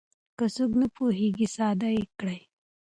که څوک نه پوهېږي ساده يې کړئ.